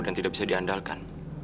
dan tidak bisa diandalkan